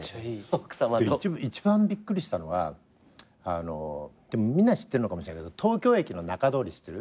一番びっくりしたのはみんなは知ってるのかもしれないけど東京駅の仲通り知ってる？